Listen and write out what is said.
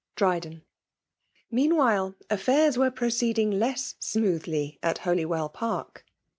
Drtdxn. Meanwhile^ affairs were proceeding less smootlily at Holywell Park.